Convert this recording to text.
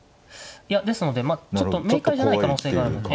いやですのでちょっと明快じゃない可能性がある。